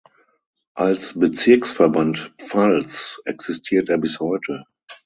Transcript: Als Bezirksverband Pfalz existiert er bis heute.